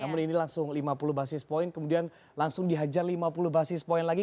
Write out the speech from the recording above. namun ini langsung lima puluh basis point kemudian langsung dihajar lima puluh basis point lagi